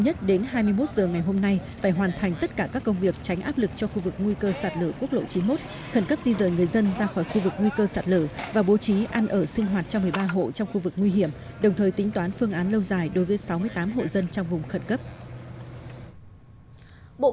lãnh đạo tỉnh an giang đề nghị chậm nhất đến hai mươi một h ngày hôm nay phải hoàn thành tất cả các công việc tránh áp lực cho khu vực nguy cơ sạt lở và bố trí ăn ở sinh hoạt cho một mươi ba hộ trong khu vực nguy cơ sạt lở và bố trí ăn ở sinh hoạt cho một mươi ba hộ trong khu vực nguy cơ sạt lở và đồng thời tính toán phương án lâu dài đối với sáu mươi tám hộ trong khu vực nguy cơ sạt lở và đô thị al city trong khu vực nghệ riot